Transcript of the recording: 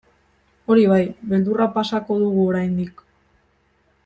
Hori bai, beldurra pasako dugu oraindik.